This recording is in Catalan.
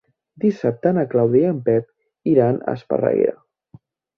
Dissabte na Clàudia i en Pep iran a Esparreguera.